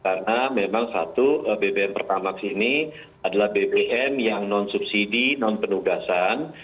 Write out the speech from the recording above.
karena memang satu bbm pertamax ini adalah bbm yang non subsidi non penugasan